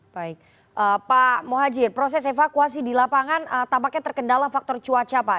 baik pak muhajir proses evakuasi di lapangan tampaknya terkendala faktor cuaca pak